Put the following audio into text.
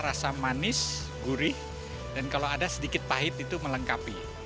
rasa manis gurih dan kalau ada sedikit pahit itu melengkapi